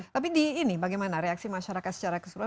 tapi di ini bagaimana reaksi masyarakat secara keseluruhan